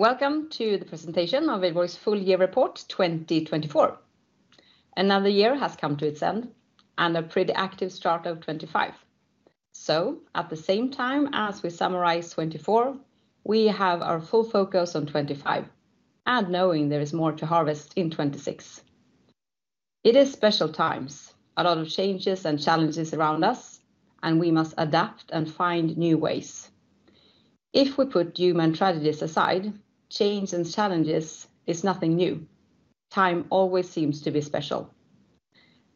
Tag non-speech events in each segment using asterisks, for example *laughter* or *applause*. Welcome to the presentation of Wihlborgs Full Year Report 2024. Another year has come to its end and a pretty active start of 2025. So, at the same time as we summarize 2024, we have our full focus on 2025 and knowing there is more to harvest in 2026. It is special times, a lot of changes and challenges around us, and we must adapt and find new ways. If we put the mantras aside, change and challenges is nothing new. Time always seems to be special.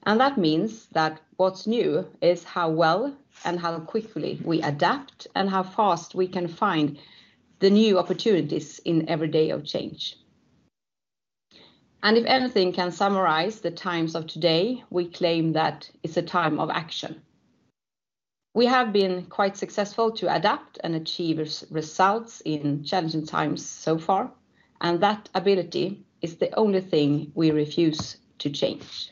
And that means that what's new is how well and how quickly we adapt and how fast we can find the new opportunities in every day of change. And if anything can summarize the times of today, we claim that it's a time of action. We have been quite successful to adapt and achieve results in challenging times so far, and that ability is the only thing we refuse to change.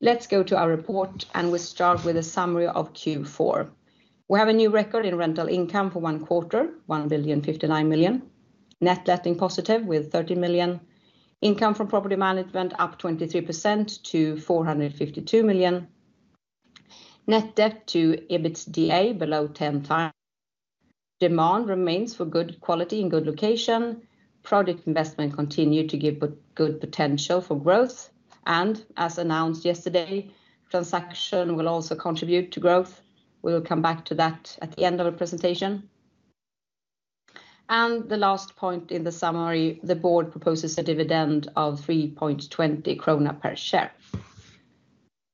Let's go to our report, and we'll start with a summary of Q4. We have a new record in rental income for QQ4, 1,059, net letting positive with 30 million, income from property management up 23% to 452 million, net debt to EBITDA below 10 times. Demand remains for good quality in good location, project investment continued to give good potential for growth, and as announced yesterday, transaction will also contribute to growth. We will come back to that at the end of the presentation. And the last point in the summary, the board proposes a dividend of 3.20 krona per share.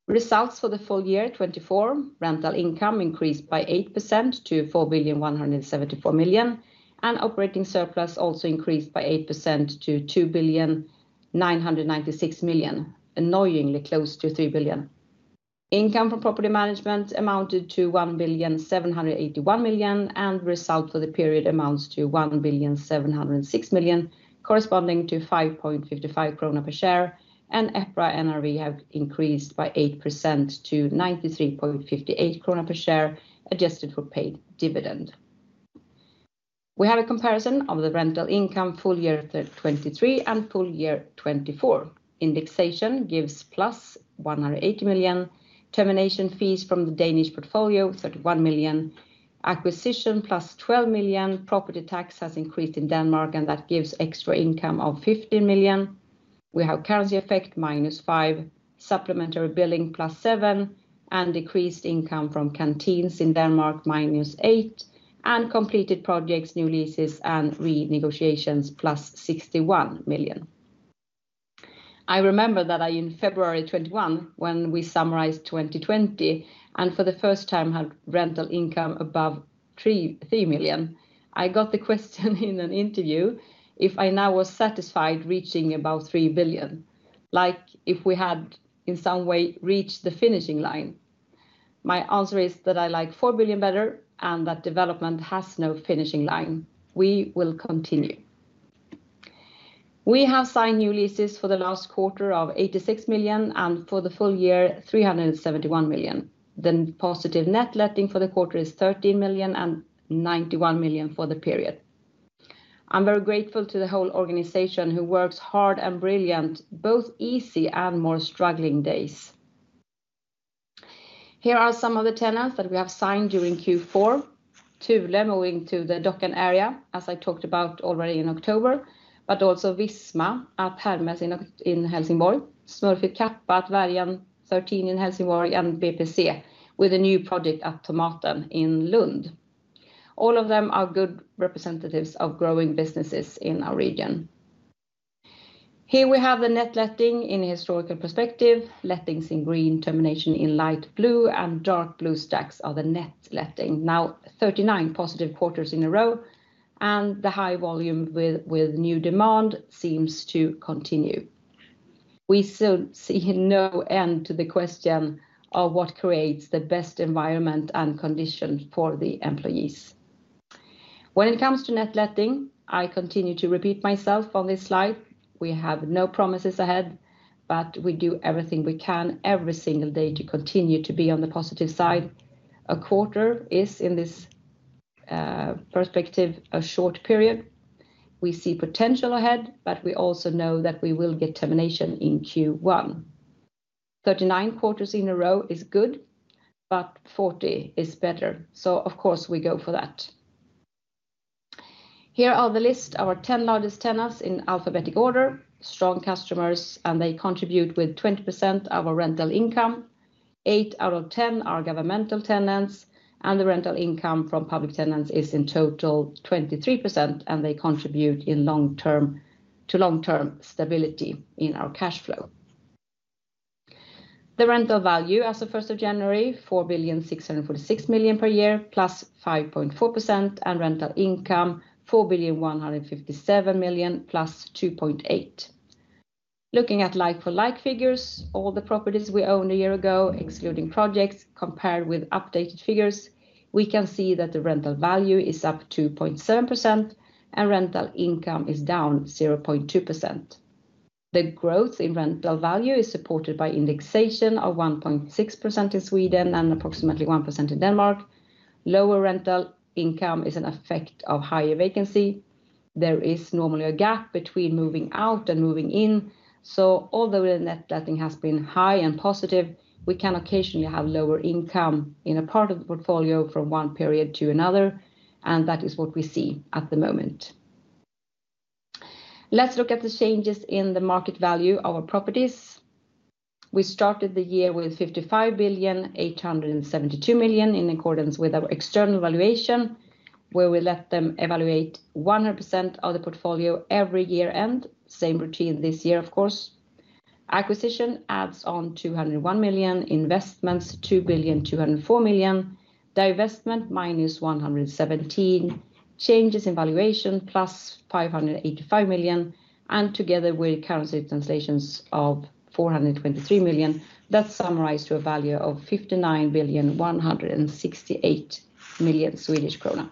Results for the Full Year 2024: rental income increased by 8% to 4,174 million, and operating surplus also increased by 8% to 2,996 million, annoyingly close to 3 billion. Income from property management amounted to 1,781 million, and result for the period amounts to 1,706 million, corresponding to 5.55 krona per share, and EPRA NRV have increased by 8% to 93.58 krona per share, adjusted for paid dividend. We have a comparison of the rental income Full Year 2023 and Full Year 2024. Indexation gives plus 180 million, termination fees from the Danish portfolio 31 million, acquisition plus 12 million, property tax has increased in Denmark, and that gives extra income of 15 million. We have currency effect minus five, supplementary billing plus seven, and decreased income from canteens in Denmark minus eight, and completed projects, new leases, and renegotiations plus 61 million. I remember that in February 2021, when we summarized 2020 and for the first time had rental income above 3 million, I got the question in an interview if I now was satisfied reaching above 3 billion, like if we had in some way reached the finishing line. My answer is that I like 4 billion better and that development has no finishing line. We will continue. We have signed new leases for the last quarter of 86 million and for the Full Year sek 371 million. The positive net letting for the quarter is 13 million and 91 million for the period. I'm very grateful to the whole organization who works hard and brilliant both easy and more struggling days. Here are some of the tenants that we have signed during Q4: Thule moving to the Dockan area, as I talked about already in October, but also Visma at Hermes in Helsingborg, Smurfit Kappa at Värjan 13 in Helsingborg, and BPC with a new project at Tomaten in Lund. All of them are good representatives of growing businesses in our region. Here we have the net letting in a historical perspective, lettings in green, termination in light blue, and dark blue stacks of the net letting. Now 39 positive quarters in a row, and the high volume with new demand seems to continue. We still see no end to the question of what creates the best environment and conditions for the employees. When it comes to net letting, I continue to repeat myself on this slide. We have no promises ahead, but we do everything we can every single day to continue to be on the positive side. A quarter is, in this perspective, a short period. We see potential ahead, but we also know that we will get termination in Q1. 39 quarters in a row is good, but 40 is better. So, of course, we go for that. Here are the list of our 10 largest tenants in alphabetic order. Strong customers, and they contribute with 20% of our rental income. Eight out of 10 are governmental tenants, and the rental income from public tenants is in total 23%, and they contribute to long-term stability in our cash flow. The rental value as of 1st of January, 4,646 million per year plus 5.4%, and rental income 4,157 million plus 2.8%. Looking at like-for-like figures, all the properties we owned a year ago, excluding projects, compared with updated figures, we can see that the rental value is up 2.7% and rental income is down 0.2%. The growth in rental value is supported by indexation of 1.6% in Sweden and approximately 1% in Denmark. Lower rental income is an effect of higher vacancy. There is normally a gap between moving out and moving in, so although the net letting has been high and positive, we can occasionally have lower income in a part of the portfolio from one period to another, and that is what we see at the moment. Let's look at the changes in the market value of our properties. We started the year with 55,872 million in accordance with our external valuation, where we let them evaluate 100% of the portfolio every year end, same routine this year, of course. Acquisition adds on 201 million, investments 2,204 million, divestment minus 117, changes in valuation plus 585 million, and together with currency translations of 423 million, that summarized to a value of 59,168 million Swedish krona.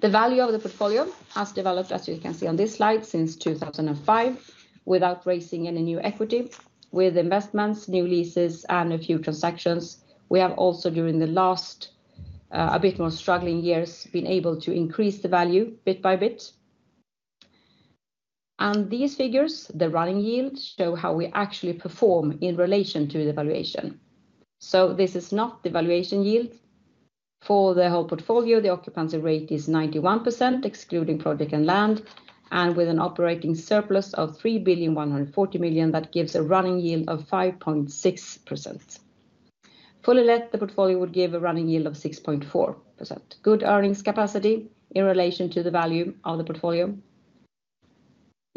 The value of the portfolio has developed, as you can see on this slide, since 2005, without raising any new equity, with investments, new leases, and a few transactions. We have also, during the last a bit more struggling years, been able to increase the value bit by bit. And these figures, the running yield, show how we actually perform in relation to the valuation. So this is not the valuation yield. For the whole portfolio, the occupancy rate is 91%, excluding project and land, and with an operating surplus of 3,140 million, that gives a running yield of 5.6%. Fully let, the portfolio would give a running yield of 6.4%. Good earnings capacity in relation to the value of the portfolio.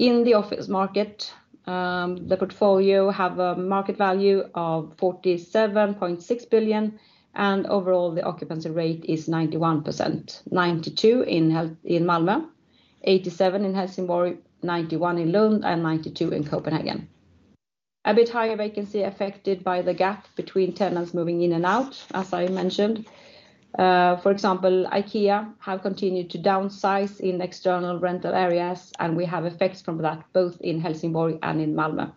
In the office market, the portfolio has a market value of 47.6 billion, and overall the occupancy rate is 91%, 92% in Malmö, 87% in Helsingborg, 91% in Lund, and 92% in Copenhagen. A bit higher vacancy affected by the gap between tenants moving in and out, as I mentioned. For example, IKEA has continued to downsize in external rental areas, and we have effects from that both in Helsingborg and in Malmö.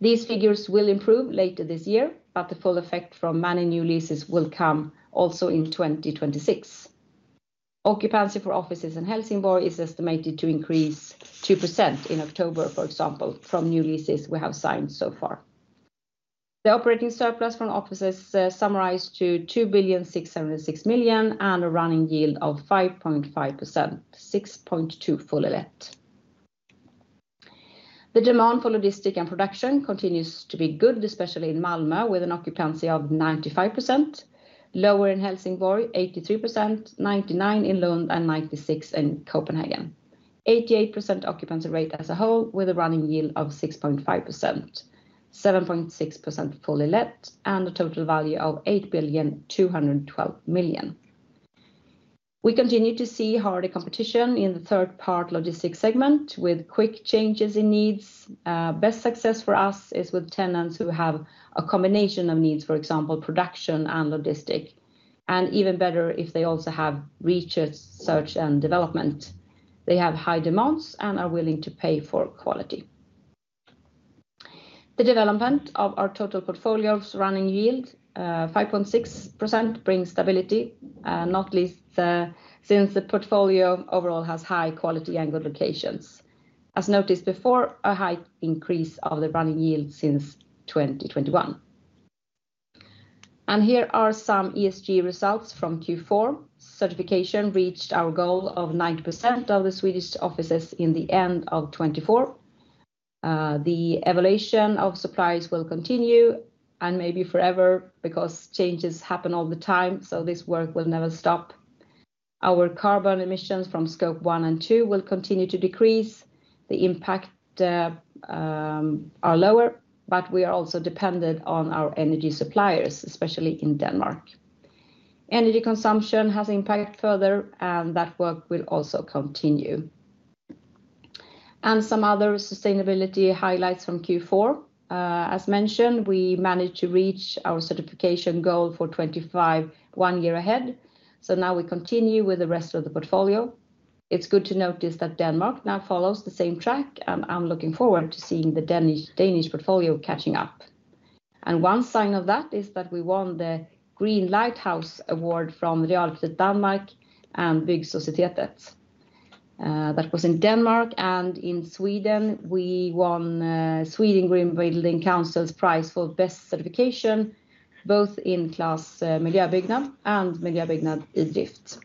These figures will improve later this year, but the full effect from many new leases will come also in 2026. Occupancy for offices in Helsingborg is estimated to increase 2% in October, for example, from new leases we have signed so far. The operating surplus from offices summarized to 2,606 million and a running yield of 5.5%, 6.2% fully let. The demand for logistics and production continues to be good, especially in Malmö, with an occupancy of 95%, lower in Helsingborg, 83%, 99% in Lund, and 96% in Copenhagen. 88% occupancy rate as a whole, with a running yield of 6.5%, 7.6% fully let, and a total value of 8,212 million. We continue to see harder competition in the third-party logistics segment with quick changes in needs. Best success for us is with tenants who have a combination of needs, for example, production and logistics, and even better if they also have research and development. They have high demands and are willing to pay for quality. The development of our total portfolio's running yield, 5.6%, brings stability, not least since the portfolio overall has high quality and good locations. As noticed before, a high increase of the running yield since 2021. And here are some ESG results from Q4. Certification reached our goal of 90% of the Swedish offices in the end of 2024. The evolution of supplies will continue and maybe forever because changes happen all the time, so this work will never stop. Our carbon emissions from Scope 1 and 2 will continue to decrease. The impacts are lower, but we are also dependent on our energy suppliers, especially in Denmark. Energy consumption has impacted further, and that work will also continue. And some other sustainability highlights from Q4. As mentioned, we managed to reach our certification goal for 2025 one year ahead, so now we continue with the rest of the portfolio. It's good to notice that Denmark now follows the same track, and I'm looking forward to seeing the Danish portfolio catching up, and one sign of that is that we won the Green Lighthouse Award from Realkredit Danmark and Byggesocietetet. That was in Denmark, and in Sweden, we won Sweden Green Building Council's prize for best certification, both in class Miljöbyggnad and Miljöbyggnad i drift.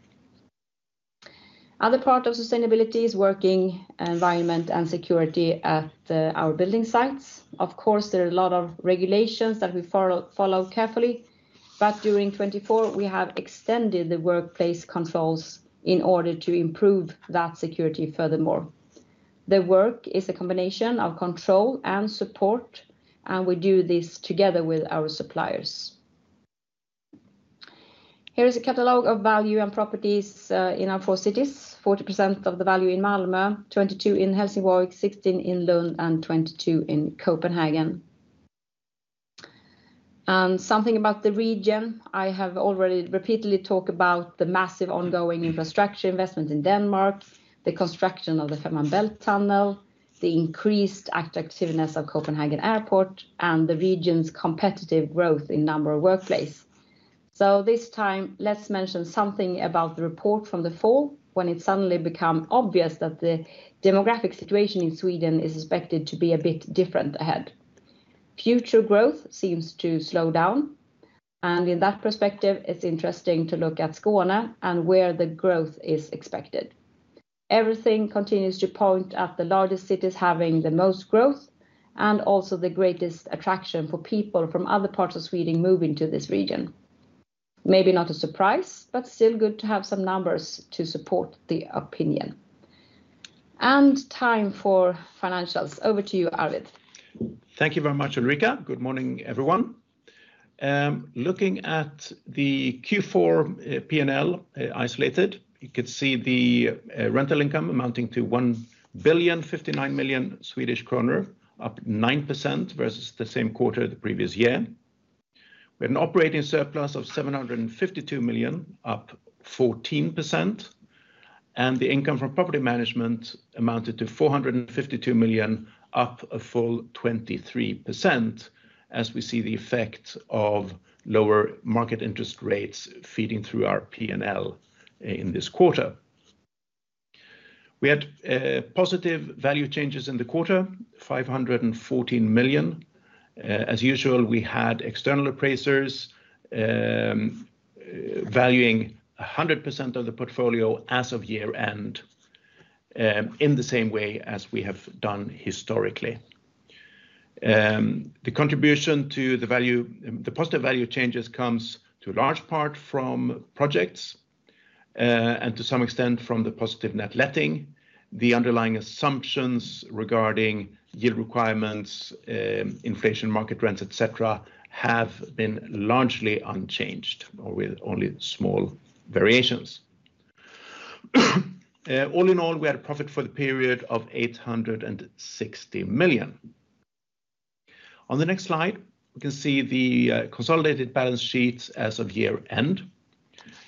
Other part of sustainability is working environment and security at our building sites. Of course, there are a lot of regulations that we follow carefully, but during 2024, we have extended the workplace controls in order to improve that security furthermore. The work is a combination of control and support, and we do this together with our suppliers. Here is a catalog of value and properties in our four cities: 40% of the value in Malmö, 22% in Helsingborg, 16% in Lund, and 22% in Copenhagen. Something about the region, I have already repeatedly talked about the massive ongoing infrastructure investment in Denmark, the construction of the Fehmarn Belt tunnel, the increased active activity of Copenhagen Airport, and the region's competitive growth in number of workplaces. This time, let's mention something about the report from the fall when it suddenly became obvious that the demographic situation in Sweden is expected to be a bit different ahead. Future growth seems to slow down, and in that perspective, it's interesting to look at Skåne and where the growth is expected. Everything continues to point at the largest cities having the most growth and also the greatest attraction for people from other parts of Sweden moving to this region. Maybe not a surprise, but still good to have some numbers to support the opinion, and time for financials. Over to you, Arvid. Thank you very much, Ulrika. Good morning, everyone. Looking at the Q4 P&L isolated, you could see the rental income amounting to 1,059 million Swedish kronor, up 9% versus the same quarter the previous year. We had an operating surplus of 752 million, up 14%, and the income from property management amounted to 452 million, up a full 23%, as we see the effect of lower market interest rates feeding through our P&L in this quarter. We had positive value changes in the quarter, 514 million. As usual, we had external appraisers valuing 100% of the portfolio as of year end, in the same way as we have done historically. The contribution to the positive value changes comes to a large part from projects and to some extent from the positive net letting. The underlying assumptions regarding yield requirements, inflation, market rents, etc., have been largely unchanged or with only small variations. All in all, we had a profit for the period of 860 million. On the next slide, we can see the consolidated balance sheets as of year end.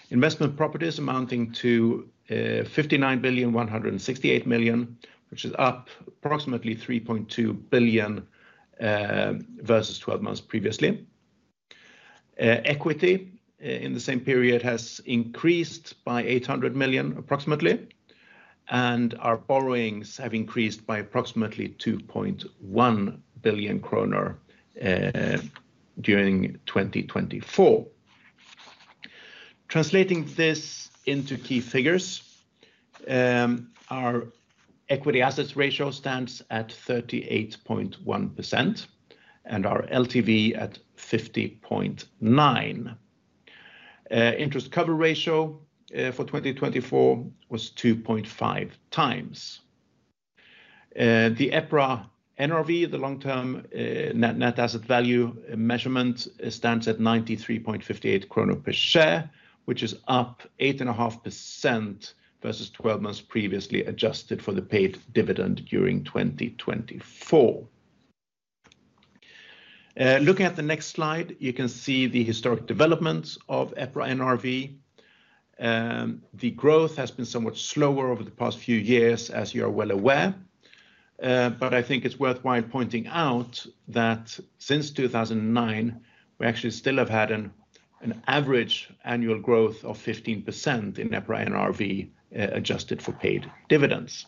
Investment properties amounting to 59,168 million, which is up approximately 3.2 billion versus 12 months previously. Equity in the same period has increased by 800 million, approximately, and our borrowings have increased by approximately 2.1 billion kronor during 2024. Translating this into key figures, our equity assets ratio stands at 38.1% and our LTV at 50.9%. Interest cover ratio for 2024 was 2.5 times. The EPRA NRV, the long-term net asset value measurement, stands at 93.58 per share, which is up 8.5% versus 12 months previously adjusted for the paid dividend during 2024. Looking at the next slide, you can see the historic developments of EPRA NRV. The growth has been somewhat slower over the past few years, as you are well aware, but I think it's worthwhile pointing out that since 2009, we actually still have had an average annual growth of 15% in EPRA NRV adjusted for paid dividends.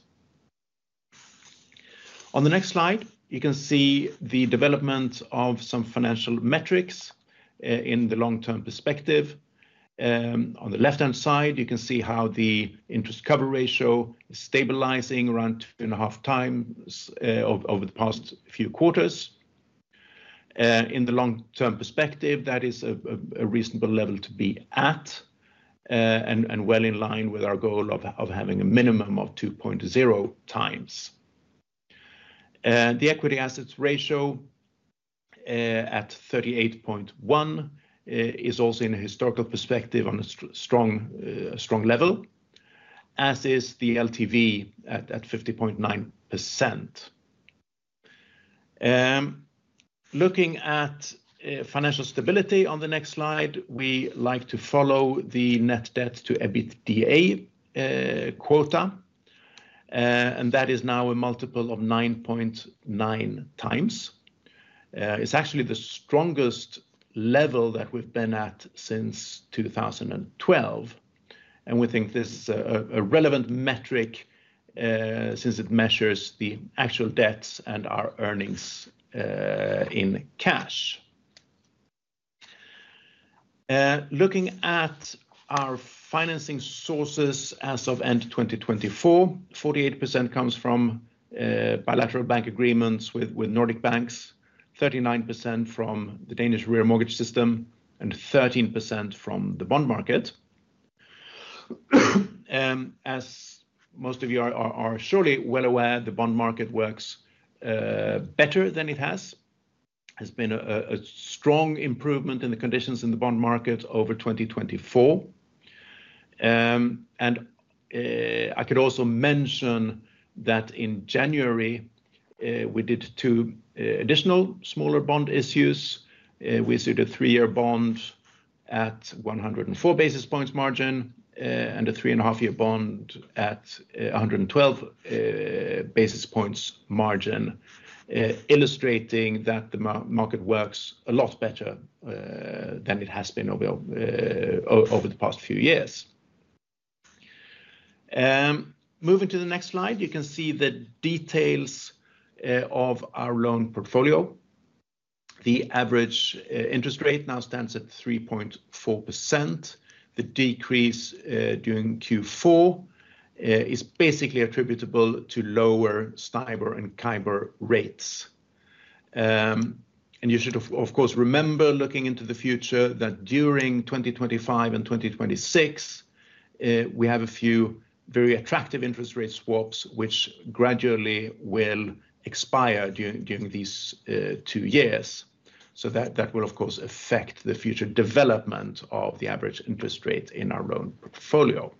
On the next slide, you can see the development of some financial metrics in the long-term perspective. On the left-hand side, you can see how the interest cover ratio is stabilizing around two and a half times over the past few quarters. In the long-term perspective, that is a reasonable level to be at and well in line with our goal of having a minimum of 2.0 times. The equity/assets ratio at 38.1% is also in a historical perspective on a strong level, as is the LTV at 50.9%. Looking at financial stability on the next slide, we like to follow the net debt to EBITDA ratio, and that is now a multiple of 9.9 times. It's actually the strongest level that we've been at since 2012, and we think this is a relevant metric since it measures the actual debts and our earnings in cash. Looking at our financing sources as of end 2024, 48% comes from bilateral bank agreements with Nordic banks, 39% from the Danish Realkredit system, and 13% from the bond market. As most of you are surely well aware, the bond market works better than it has. There's been a strong improvement in the conditions in the bond market over 2024. And I could also mention that in January, we did two additional smaller bond issues. We issued a three-year bond at 104 basis points margin and a three-and-a-half-year bond at 112 basis points margin, illustrating that the market works a lot better than it has been over the past few years. Moving to the next slide, you can see the details of our loan portfolio. The average interest rate now stands at 3.4%. The decrease during Q4 is basically attributable to lower STIBOR and CIBOR rates. And you should, of course, remember looking into the future that during 2025 and 2026, we have a few very attractive interest rate swaps, which gradually will expire during these two years. So that will, of course, affect the future development of the average interest rate in our loan portfolio.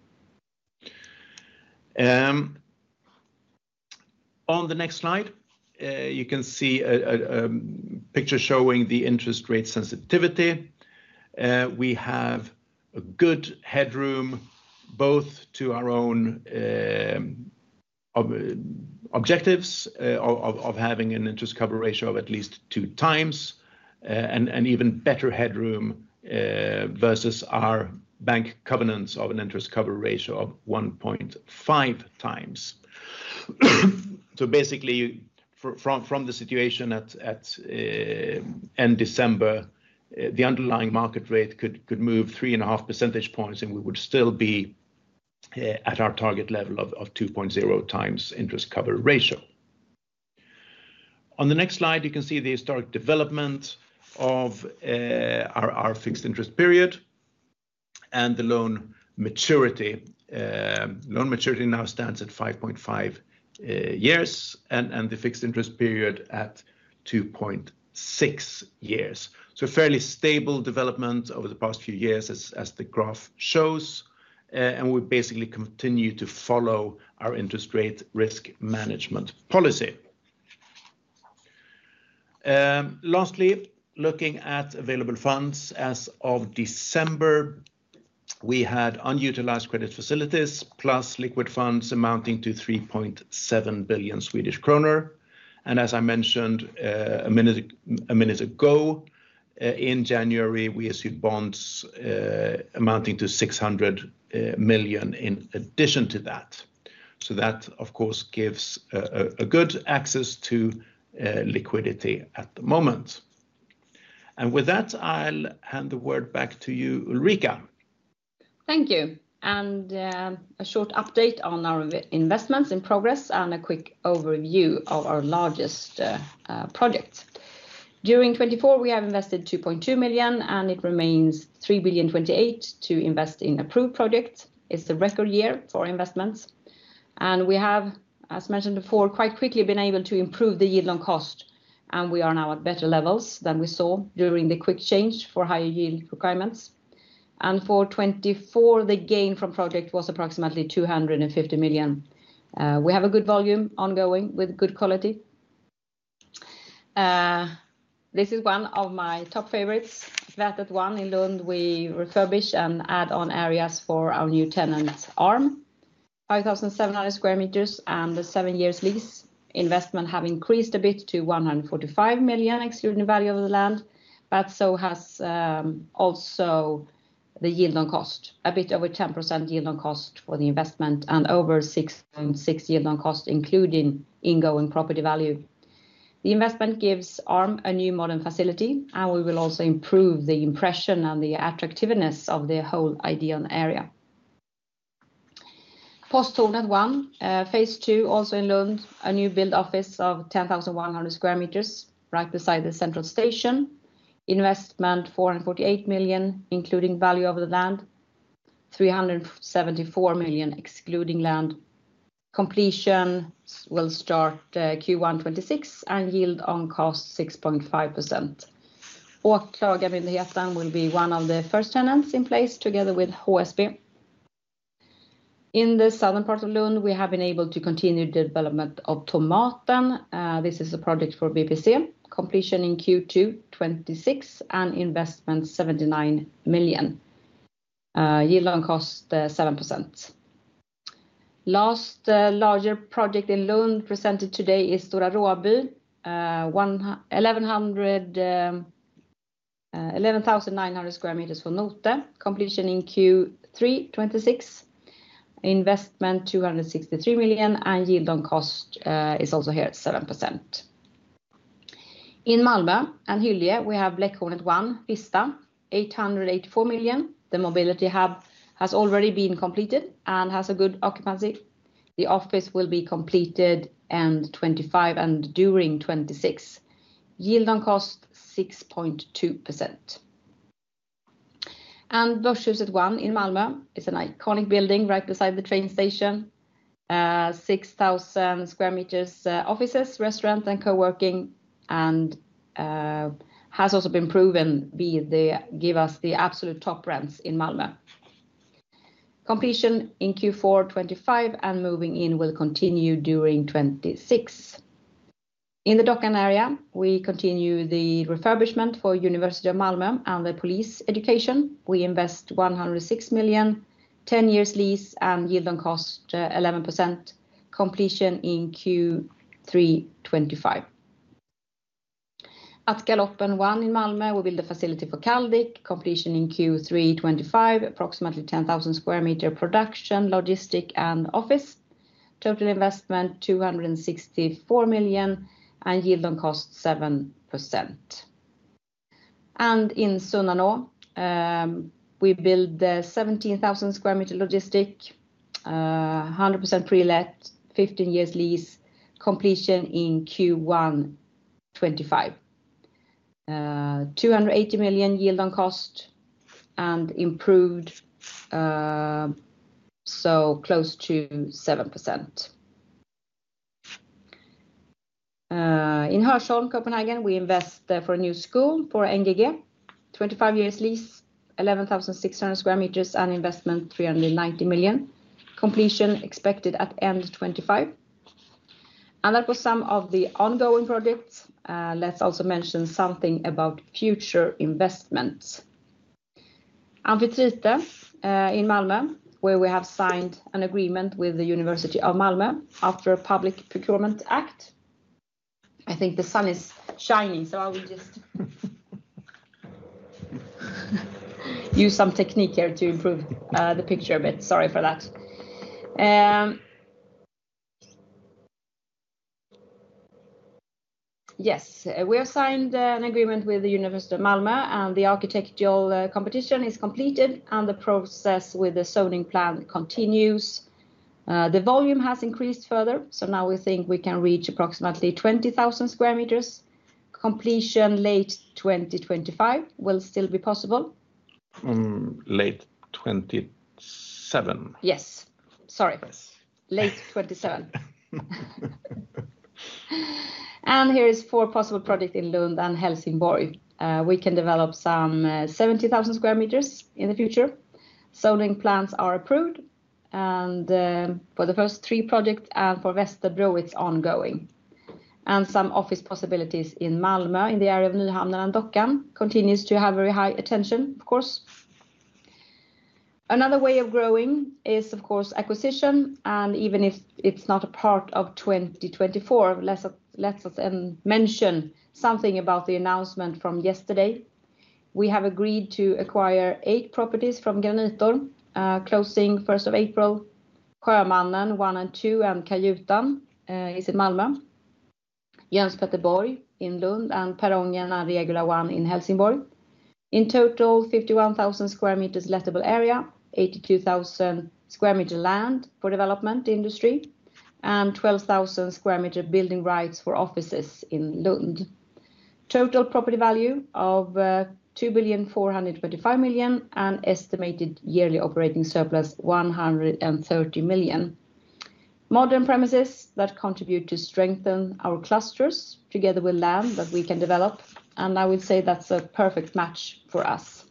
On the next slide, you can see a picture showing the interest rate sensitivity. We have a good headroom both to our own objectives of having an interest cover ratio of at least two times and even better headroom versus our bank covenants of an interest cover ratio of 1.5 times. So basically, from the situation at end December, the underlying market rate could move three and a half percentage points, and we would still be at our target level of 2.0 times interest cover ratio. On the next slide, you can see the historic development of our fixed interest period and the loan maturity. Loan maturity now stands at 5.5 years and the fixed interest period at 2.6 years. Fairly stable development over the past few years, as the graph shows, and we basically continue to follow our interest rate risk management policy. Lastly, looking at available funds, as of December, we had unutilized credit facilities plus liquid funds amounting to 3.7 billion Swedish kronor. As I mentioned a minute ago, in January, we issued bonds amounting to 600 million in addition to that. That, of course, gives good access to liquidity at the moment. With that, I'll hand the word back to you, Ulrika. Thank you. A short update on our investments in progress and a quick overview of our largest project. During 2024, we have invested 2.2 million, and 3.28 billion remains to invest in approved projects. It is a record year for investments. We have, as mentioned before, quite quickly been able to improve the yield on cost, and we are now at better levels than we saw during the quick change for higher yield requirements. For 2024, the gain from project was approximately 250 million. We have a good volume ongoing with good quality. This is one of my top favorites. Ideon in Lund, we refurbish and add on areas for our new tenant Arm, 5,700 sq m, and the seven years lease. Investment have increased a bit to 145 million excluding the value of the land, but so has also the yield on cost, a bit over 10% yield on cost for the investment and over 6.6% yield on cost, including ingoing property value. The investment gives Arm a new modern facility, and we will also improve the impression and the attractiveness of the whole Ideon and area. Posthornet 1, phase, also in Lund, a new build office of 10,100 square meters right beside the central station. Investment 448 million, including value of the land, 374 million excluding land. Completion will start Q1 2026 and yield on cost 6.5%. Åklagarmyndigheten will be one of the first tenants in place together with HSB. In the southern part of Lund, we have been able to continue the development of Tomaten. This is a project for BPC, completion in Q2 2026 and investment 79 million. Yield on cost 7%. Last larger project in Lund presented today is Stora Råby, 11,900 square meters for NOTE, completion in Q3 2026, investment 263 million, and yield on cost is also here at 7%. In Malmö and Hyllie, we have Bläckhornet 1, Vista, 884 million. The mobility hub has already been completed and has a good occupancy. The office will be completed end 2025 and during 2026. Yield on cost 6.2%. Börshuset 1 in Malmö is an iconic building right beside the train station, 6,000 square meters offices, restaurant, and co-working, and has also been proven to give us the absolute top rents in Malmö. Completion in Q4 2025 and moving in will continue during 2026. In the Dockan area, we continue the refurbishment for Malmö University and the police education. We invest 106 million, 10 years lease, and yield on cost 11%, completion in Q3 2025. At Galoppen 1 in Malmö, we build a facility for Caldic, completion in Q3 2025, approximately 10,000 square meters production, logistics, and office. Total investment 264 million and yield on cost 7%. In Sunnanå, we build 17,000 square meters logistic, 100% pre-let, 15 years lease, completion in Q1 2025, 280 million yield on cost, and improved so close to 7%. In Hørsholm, Copenhagen, we invest for a new school for NGG, 25 years lease, 11,600 square meters and investment 390 million, completion expected at end 2025. That was some of the ongoing projects. Let's also mention something about future investments. Amfitrite in Malmö, where we have signed an agreement with Malmö University after a public procurement act. I think the sun is shining, so I will just use some technique here to improve the picture a bit. Sorry for that. Yes, we have signed an agreement with Malmö University, and the architectural competition is completed, and the process with the zoning plan continues. The volume has increased further, so now we think we can reach approximately 20,000 square meters. Completion late 2025 will still be possible. *crosstalk* Here are four possible projects in Lund and Helsingborg. We can develop some 70,000 square meters in the future. Zoning plans are approved, and for the first three projects and for Västerbro, it's ongoing. Some office possibilities in Malmö in the area of Nyhamnen and Dockan continue to have very high attention, of course. Another way of growing is, of course, acquisition, and even if it's not a part of 2024, let us mention something about the announcement from yesterday. We have agreed to acquire eight properties from Granitor, closing 1st of April, Sjömannen 1 and 2, and Kajutan in Malmö, Jöns Petter Borg in Lund, and Perrongen and Regula 1 in Helsingborg. In total, 51,000 square meters lettable area, 82,000 square meters land for development industry, and 12,000 square meters building rights for offices in Lund. Total property value of 2,425 million and estimated yearly operating surplus 130 million. Modern premises that contribute to strengthen our clusters together with land that we can develop, and I would say that's a perfect match for us.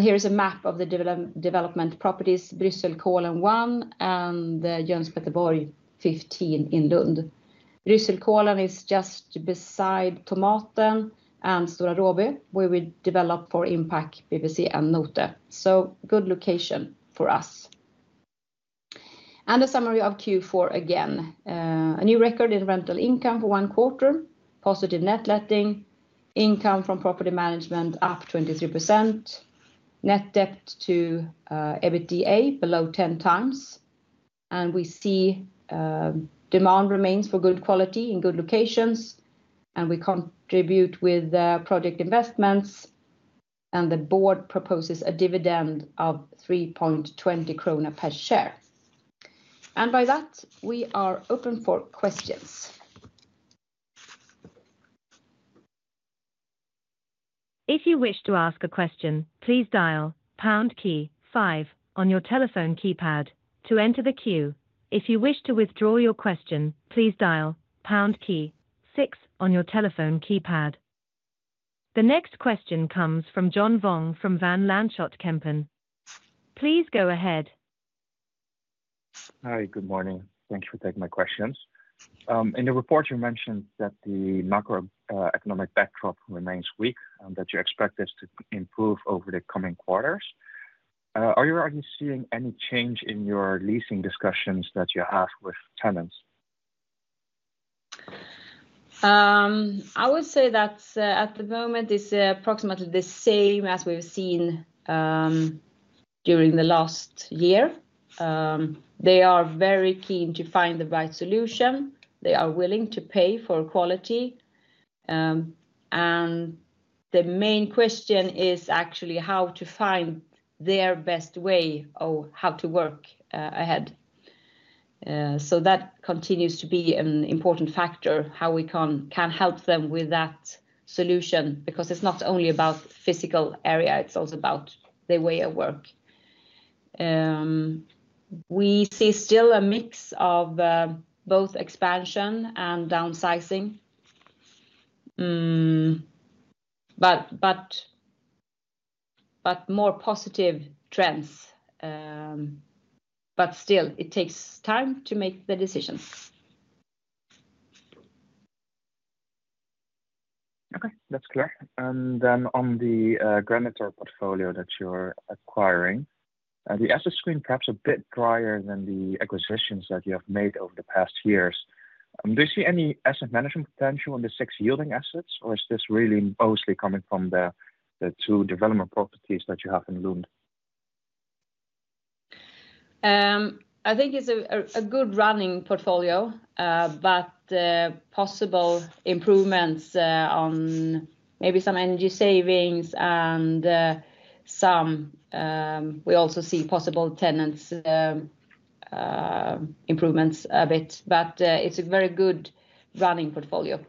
Here is a map of the development properties, Brysselkålen 1 and Jöns Petter Borg 15 in Lund. Brysselkålen is just beside Tomaten and Stora Råby, where we develop for Inpac, BPC, and NOTE. So good location for us. A summary of Q4 again. A new record in rental income for Q1, positive net letting, income from property management up 23%, net debt to EBITDA below 10 times, and we see demand remains for good quality in good locations, and we contribute with project investments, and the board proposes a dividend of 3.20 krona per share, and by that, we are open for questions. If you wish to ask a question, please dial pound key five on your telephone keypad to enter the queue. If you wish to withdraw your question, please dial pound key six on your telephone keypad. The next question comes from John Vuong from Van Lanschot Kempen. Please go ahead. Hi, good morning. Thank you for taking my questions. In the report, you mentioned that the macroeconomic backdrop remains weak and that you expect this to improve over the coming quarters. Are you already seeing any change in your leasing discussions that you have with tenants? I would say that at the moment, it's approximately the same as we've seen during the last year. They are very keen to find the right solution. They are willing to pay for quality. The main question is actually how to find their best way or how to work ahead. That continues to be an important factor, how we can help them with that solution, because it's not only about physical area, it's also about the way of work. We see still a mix of both expansion and downsizing, but more positive trends. Still, it takes time to make the decisions. Okay, that's clear. Then on the Granitor portfolio that you're acquiring, the assets seem perhaps a bit drier than the acquisitions that you have made over the past years. Do you see any asset management potential in the six yielding assets, or is this really mostly coming from the two development properties that you have in Lund? I think it's a good running portfolio, but possible improvements on maybe some energy savings and some. We also see possible tenants' improvements a bit, but it's a very good running portfolio.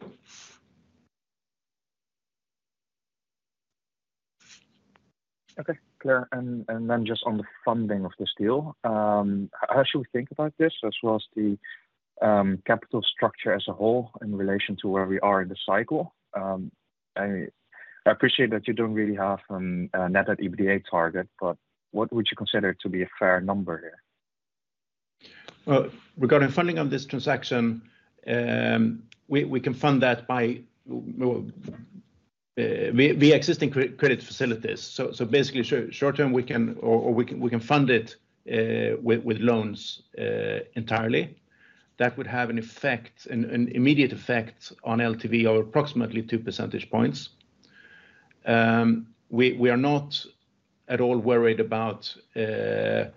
Okay, clear. And then just on the funding of the deal, how should we think about this as well as the capital structure as a whole in relation to where we are in the cycle? I appreciate that you don't really have a net debt to EBITDA target, but what would you consider to be a fair number here? Well, regarding funding of this transaction, we can fund that by the existing credit facilities. So basically, short term, we can fund it with loans entirely. That would have an effect, an immediate effect on LTV of approximately two percentage points. We are not at all worried about that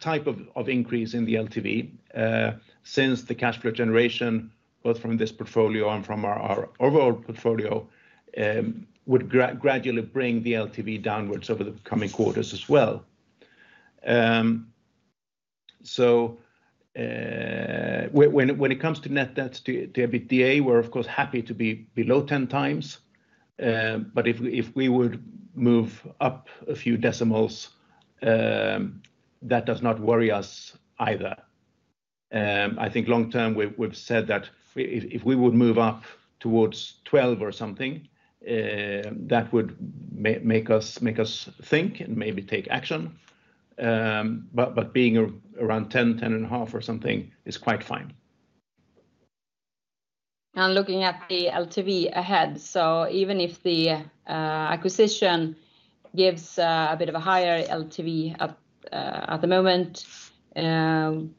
type of increase in the LTV since the cash flow generation, both from this portfolio and from our overall portfolio, would gradually bring the LTV downwards over the coming quarters as well. So when it comes to net debt to EBITDA, we're of course happy to be below 10 times, but if we would move up a few decimals, that does not worry us either. I think long term, we've said that if we would move up towards 12 or something, that would make us think and maybe take action. But being around 10, 10 and a half or something is quite fine. Looking at the LTV ahead, so even if the acquisition gives a bit of a higher LTV at the moment,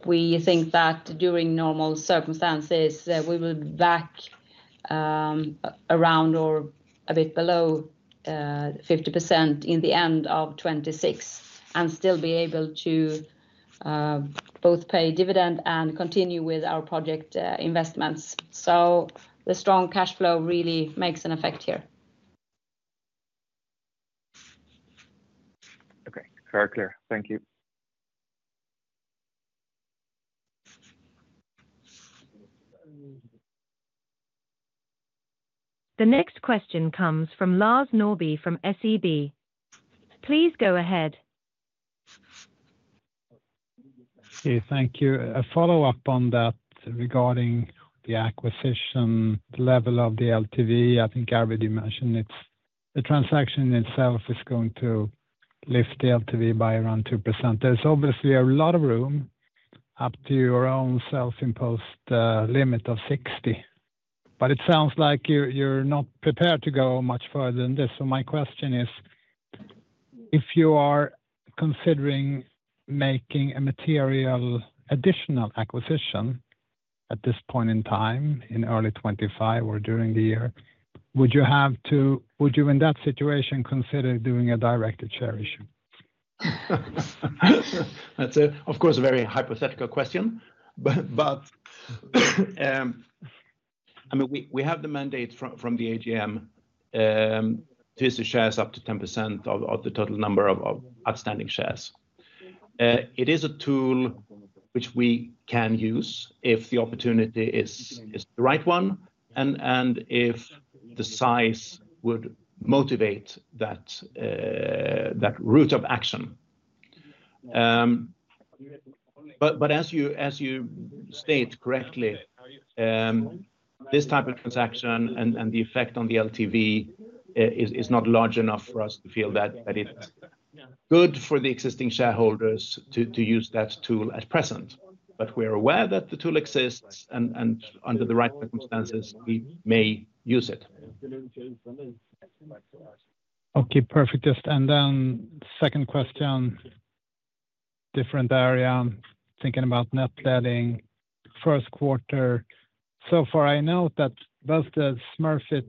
we think that during normal circumstances, we will be back around or a bit below 50% in the end of 2026 and still be able to both pay dividend and continue with our project investments. The strong cash flow really makes an effect here. Okay, very clear. Thank you. The next question comes from Lars Norrby from SEB. Please go ahead. Okay, thank you. A follow-up on that regarding the acquisition level of the LTV, I think Arvid you mentioned it's the transaction itself is going to lift the LTV by around 2%. There's obviously a lot of room up to your own self-imposed limit of 60%, but it sounds like you're not prepared to go much further than this. So my question is, if you are considering making a material additional acquisition at this point in time in early 2025 or during the year, would you have to, would you in that situation consider doing a direct equity? That's of course a very hypothetical question, but I mean, we have the mandate from the AGM to issue shares up to 10% of the total number of outstanding shares. It is a tool which we can use if the opportunity is the right one and if the size would motivate that route of action. But as you state correctly, this type of transaction and the effect on the LTV is not large enough for us to feel that it's good for the existing shareholders to use that tool at present, but we're aware that the tool exists and under the right circumstances, we may use it. *crosstalk* Okay, perfect. Then, second question, different area, thinking about net letting Q1. So far I know that both the Smurfit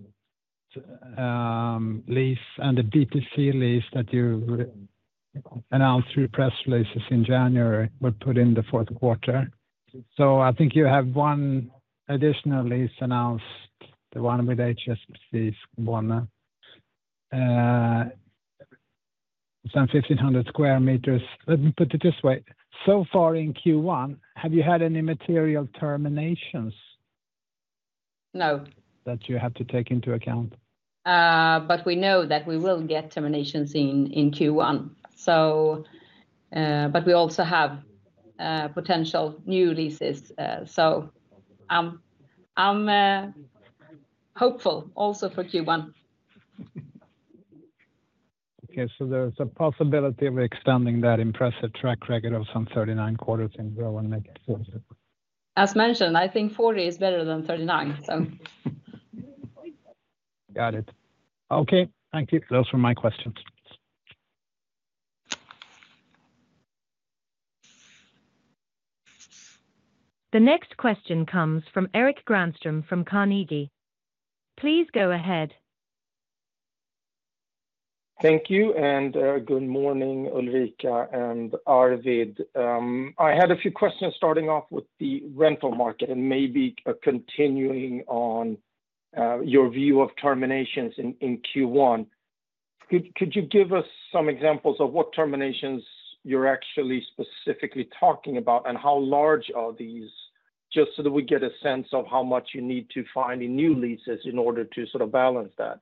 lease and the BPC lease that you announced through press releases in January would put in the Q4. So I think you have one additional lease announced, the one with HSB Skåne, some 1,500 square meters. Let me put it this way. So far in Q1, have you had any material terminations? No. That you have to take into account? But we know that we will get terminations in Q1. But we also have potential new leases. So I'm hopeful also for Q1. Okay, so there's a possibility of extending that impressive track record of some 39 quarters in row and make it full. As mentioned, I think 40 is better than 39, so. Got it. Okay, thank you. Those were my questions. The next question comes from Erik Granström from Carnegie. Please go ahead. Thank you and good morning, Ulrika and Arvid. I had a few questions starting off with the rental market and maybe continuing on your view of terminations in Q1. Could you give us some examples of what terminations you're actually specifically talking about and how large are these, just so that we get a sense of how much you need to find in new leases in order to sort of balance that?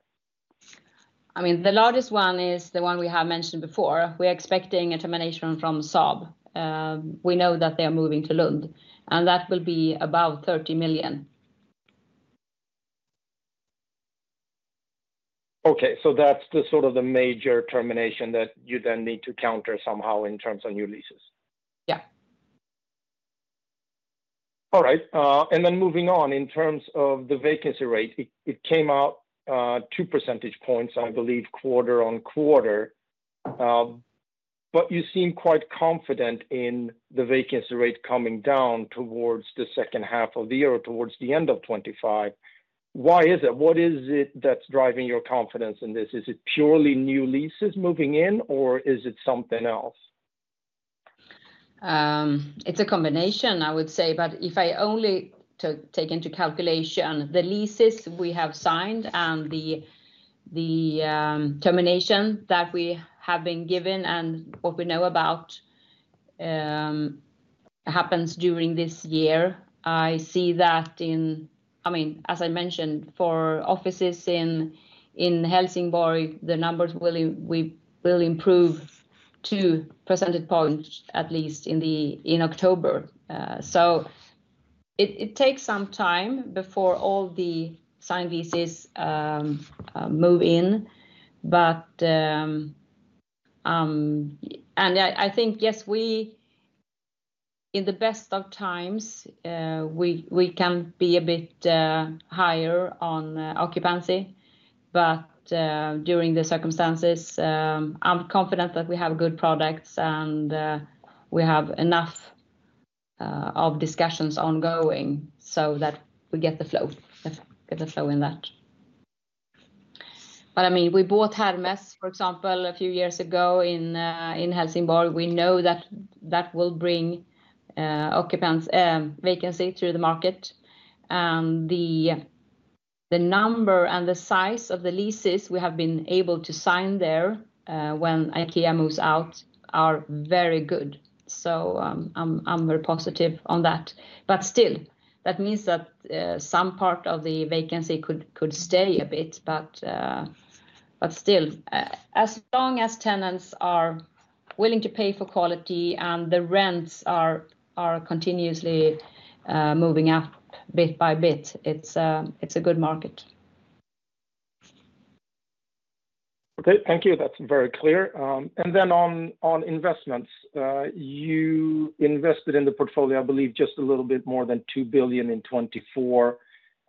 I mean, the largest one is the one we have mentioned before. We are expecting a termination from Saab. We know that they are moving to Lund, and that will be about 30 million. Okay, so that's the sort of the major termination that you then need to counter somehow in terms of new leases. Yeah. All right. And then moving on, in terms of the vacancy rate, it came out two percentage points, I believe, quarter on quarter. But you seem quite confident in the vacancy rate coming down towards the second half of the year or towards the end of 2025. Why is it? What is it that's driving your confidence in this? Is it purely new leases moving in, or is it something else? It's a combination, I would say. But if I only take into calculation the leases we have signed and the termination that we have been given and what we know about happens during this year, I see that in, I mean, as I mentioned, for offices in Helsingborg, the numbers will improve to percentage points at least in October. So it takes some time before all the signed leases move in. I think, yes, in the best of times, we can be a bit higher on occupancy. But during the circumstances, I'm confident that we have good products and we have enough of discussions ongoing so that we get the flow, get the flow in that. But I mean, we bought Hermes, for example, a few years ago in Helsingborg. We know that that will bring occupancy vacancy through the market. And the number and the size of the leases we have been able to sign there when IKEA moves out are very good. So I'm very positive on that. But still, that means that some part of the vacancy could stay a bit, but still, as long as tenants are willing to pay for quality and the rents are continuously moving up bit by bit, it's a good market. Okay, thank you. That's very clear. And then on investments, you invested in the portfolio, I believe, just a little bit more than 2 billion in 2024.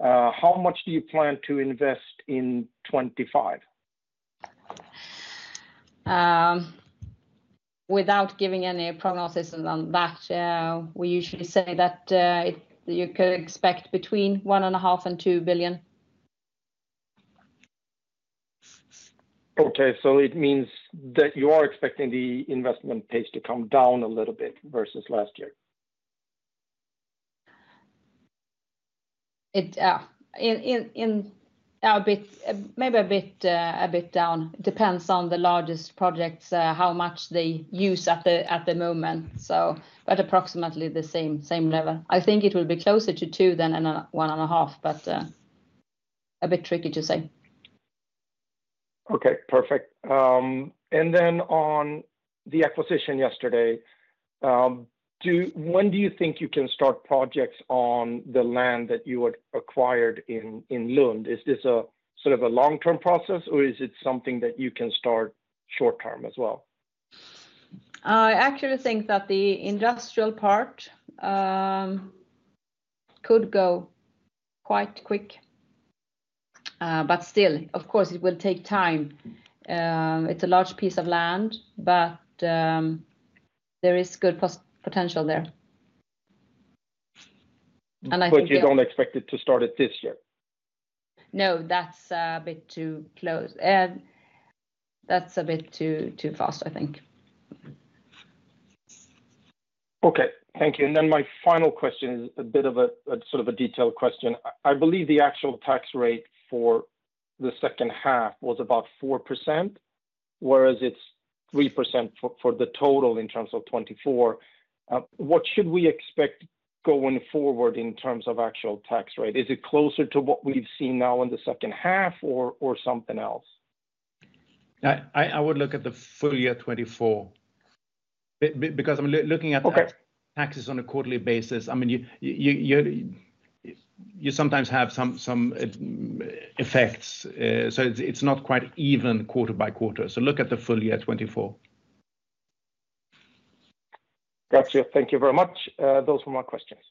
How much do you plan to invest in 2025? Without giving any prognosis on that, we usually say that you could expect between 1.5 billion and 2 billion. Okay, so it means that you are expecting the investment pace to come down a little bit versus last year. Maybe a bit down. It depends on the largest projects, how much they use at the moment. But approximately the same level. I think it will be closer to 2 than 1.5, but a bit tricky to say. Okay, perfect. And then on the acquisition yesterday, when do you think you can start projects on the land that you had acquired in Lund? Is this a sort of a long-term process, or is it something that you can start short-term as well? I actually think that the industrial part could go quite quick. But still, of course, it will take time. It's a large piece of land, but there is good potential there. But you don't expect it to start at this year? No, that's a bit too close. That's a bit too fast, I think. Okay, thank you. And then my final question is a bit of a sort of a detailed question. I believe the actual tax rate for the second half was about 4%, whereas it's 3% for the total in terms of 2024. What should we expect going forward in terms of actual tax rate? Is it closer to what we've seen now in the second half or something else? I would look at the Full Year 2024 because I'm looking at taxes on a quarterly basis. I mean, you sometimes have some effects, so it's not quite even quarter by quarter. So look at the Full Year 2024. Gotcha. Thank you very much. Those were my questions.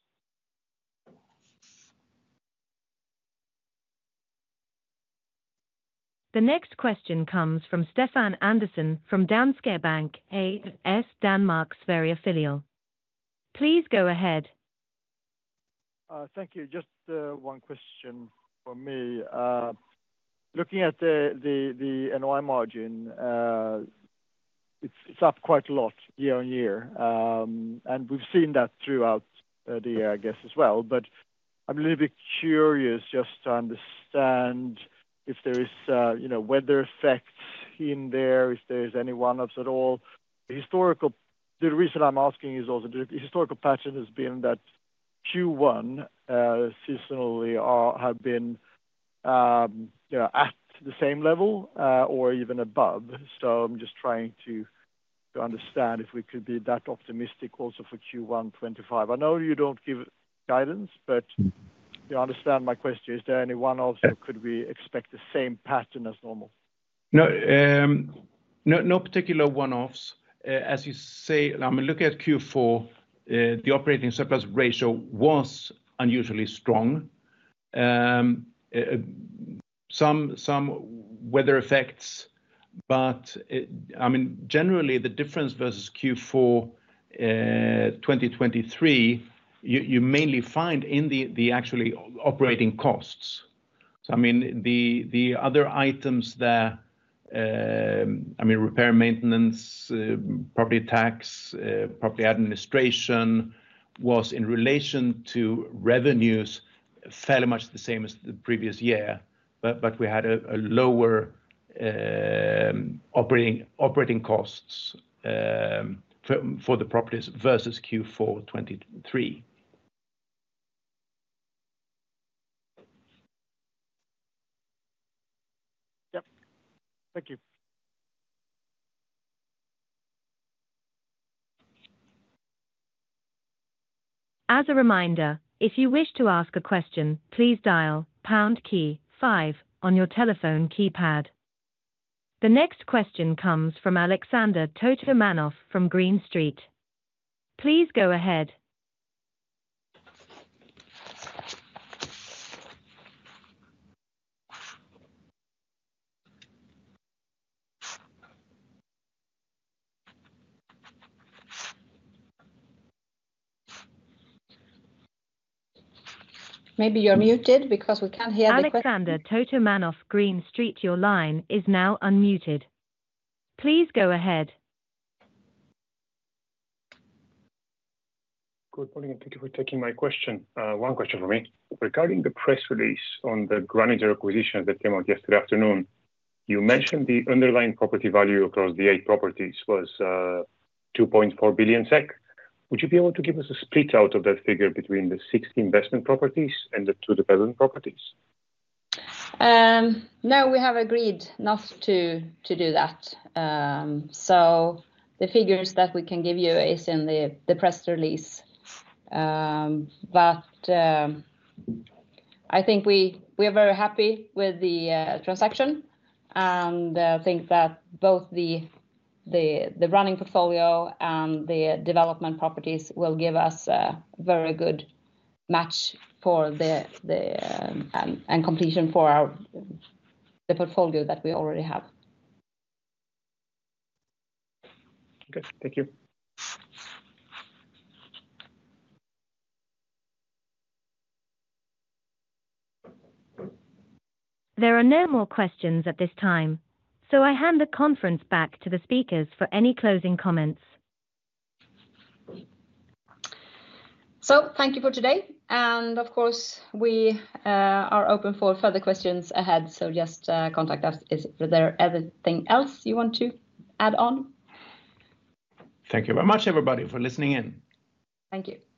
The next question comes from Stefan Andersson from Danske Bank. Please go ahead. Thank you. Just one question for me. Looking at the NOI margin, it's up quite a lot year on year. And we've seen that throughout the year, I guess, as well. But I'm a little bit curious just to understand if there is weather effects in there, if there's any one-offs at all. The reason I'm asking is also the historical pattern has been that Q1 seasonally have been at the same level or even above. So I'm just trying to understand if we could be that optimistic also for Q1 2025. I know you don't give guidance, but I understand my question. Is there any one-offs or could we expect the same pattern as normal? No particular one-offs. As you say, I mean, look at Q4, the operating surplus ratio was unusually strong. Some weather effects, but I mean, generally, the difference versus Q4 2023, you mainly find in the actually operating costs. So I mean, the other items there, I mean, repair maintenance, property tax, property administration was in relation to revenues fairly much the same as the previous year, but we had a lower operating costs for the properties versus Q4 2023. Thank you. As a reminder, if you wish to ask a question, please dial pound key five on your telephone keypad. The next question comes from Alexander Totomanov from Green Street. Please go ahead. Maybe you're muted because we can't hear the question. Alexander Totomanov, Green Street, your line is now unmuted. Please go ahead. Good morning and thank you for taking my question. One question for me. Regarding the press release on the Granitor acquisition that came out yesterday afternoon, you mentioned the underlying property value across the eight properties was 2.4 billion SEK. Would you be able to give us a split out of that figure between the six investment properties and the two properties? No, we have agreed not to do that. So the figures that we can give you are in the press release. But I think we are very happy with the transaction. And I think that both the running portfolio and the development properties will give us a very good match for the completion for the portfolio that we already have. Okay, thank you. There are no more questions at this time. So I hand the conference back to the speakers for any closing comments. So thank you for today. And of course, we are open for further questions ahead. So just contact us. Is there anything else you want to add on? Thank you very much, everybody, for listening in. Thank you.